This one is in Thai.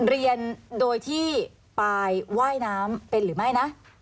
เรียนโดยที่ปายว่ายน้ำเป็นหรือไม่นะ